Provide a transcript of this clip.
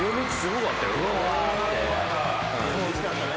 うれしかったね